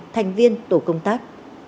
thành viên tổ công tác